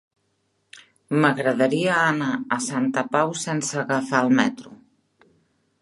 M'agradaria anar a Santa Pau sense agafar el metro.